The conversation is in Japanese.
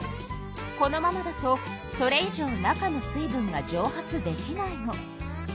このままだとそれ以上中の水分がじょう発できないの。